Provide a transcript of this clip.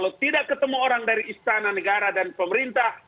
kalau tidak ketemu orang dari istana negara dan pemerintah